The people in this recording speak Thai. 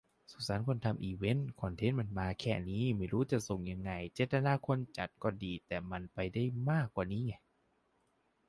สงสารคนทำอีเวนต์ คอนเทนต์มันมาแค่นี้ ไม่รู้จะส่งยังไง เจตนาคนจัดก็ดี แต่มันไปได้มากกว่านี้ไง